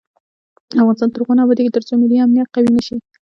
افغانستان تر هغو نه ابادیږي، ترڅو ملي امنیت قوي نشي.